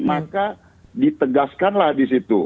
maka ditegaskanlah di situ